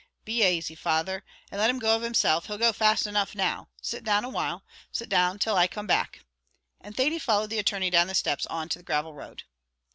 "Be asy, father, and let him go of himself; he'll go fast enough now. Sit down awhile; sit down till I come back," and Thady followed the attorney down the steps on to the gravel road.